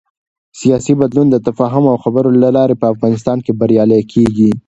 سیاسي بدلون د تفاهم او خبرو له لارې په افغانستان کې بریالی کېږي